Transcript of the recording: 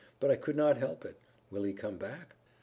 "But I could not help it. Will he come back?"